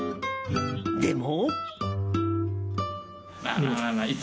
でも。